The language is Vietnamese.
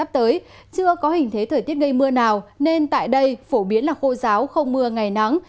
tới chưa có hình thế thời tiết gây mưa nào nên tại đây phổ biến là khô giáo không mưa ngày nắng